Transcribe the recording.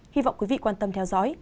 hy vọng quý vị quan tâm theo dõi